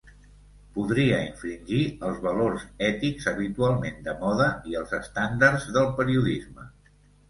Podria infringir els valors ètics habitualment de moda i els estàndards del periodisme.